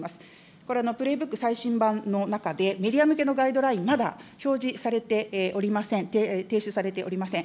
これ、プレーブック最新版の中で、メディア向けのガイドライン、まだ表示されておりません、提出されておりません。